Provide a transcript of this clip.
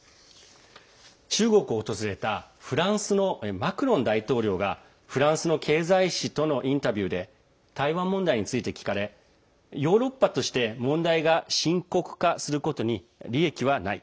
中国を訪れたフランスのマクロン大統領がフランスの経済紙とのインタビューで台湾問題について聞かれヨーロッパとして、問題が深刻化することに利益はない。